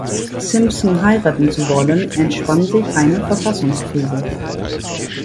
Simpson heiraten zu wollen, entspann sich eine Verfassungskrise.